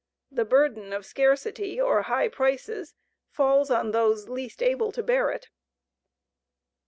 The burden of scarcity or high prices falls on those least able to bear it.